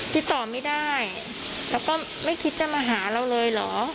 ติดต่อไม่ได้แล้วก็ไม่คิดจะมาหาเราเลยเหรอ